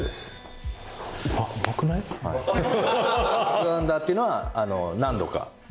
２アンダーっていうのは何度か。